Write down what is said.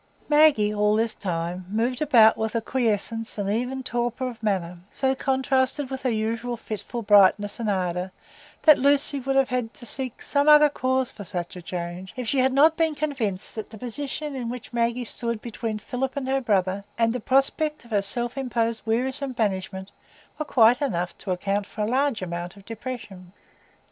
Maggie, all this time, moved about with a quiescence and even torpor of manner, so contrasted with her usual fitful brightness and ardor, that Lucy would have had to seek some other cause for such a change, if she had not been convinced that the position in which Maggie stood between Philip and her brother, and the prospect of her self imposed wearisome banishment, were quite enough to account for a large amount of depression.